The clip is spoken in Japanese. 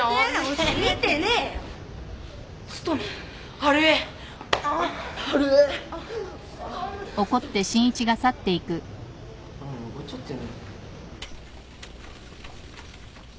ああ怒っちゃってる。